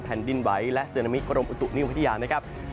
แผ่นดินไหวและเซนามิกรมอุตุนิวพฤธิญาณนะครับ